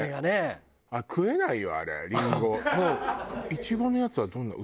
いちごのやつはどんなの？